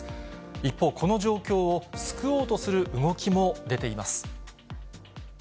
一方、この状況を救おうとする動きも出ています。